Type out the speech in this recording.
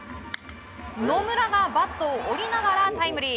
野村がバットを折りながらタイムリー。